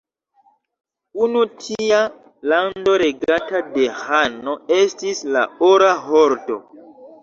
Unu tia lando regata de ĥano estis la Ora Hordo.